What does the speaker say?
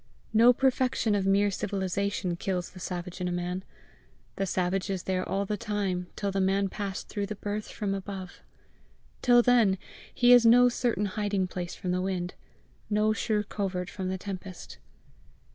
No perfection of mere civilization kills the savage in a man: the savage is there all the time till the man pass through the birth from above. Till then, he is no certain hiding place from the wind, no sure covert from the tempest.